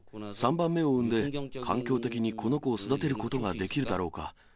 ３番目を産んで、環境的にこの子を育てることができるだろうか。